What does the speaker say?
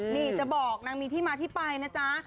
นี่จะบอกนางมีที่มาที่ไปนะจ๊ะ